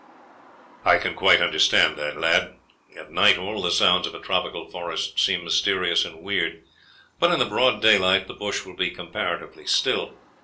"I can quite understand that, lad. At night all the sounds of a tropical forest seem mysterious and weird, but in the broad daylight the bush will be comparatively still.